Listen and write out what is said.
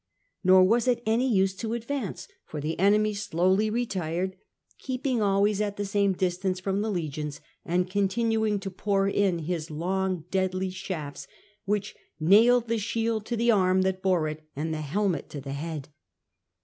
Nor was it any use to advance, for the enemy slowly retired, keeping always at the same distance from the legions, and continuing to pour in his long deadly shafts, which " nailed the shield to the arm that bore it, and the helmet to the head."